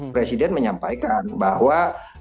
presiden menyampaikan bahwa